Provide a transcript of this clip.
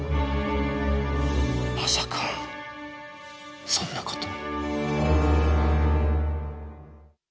まさかそんなこと。